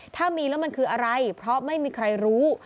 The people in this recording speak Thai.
ถ้ามีแล้วมันคืออะไรเพราะไม่มีใครรู้